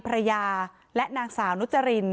เพราะไม่เคยถามลูกสาวนะว่าไปทำธุรกิจแบบไหนอะไรยังไง